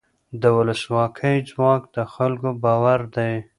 د ولسواکۍ ځواک د خلکو باور دی